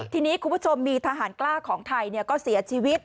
ทีนี้คุณผู้ชมมีทหารกล้าของไทยก็เสียชีวิต